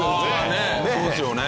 ねえそうですよね。